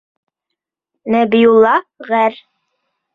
Нәбиулла ғәр.